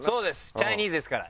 チャイニーズですから。